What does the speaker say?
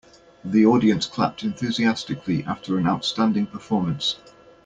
The audience clapped enthusiastically after an outstanding performance.